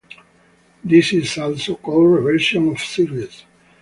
This is also called reversion of series.